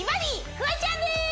フワちゃんでーす！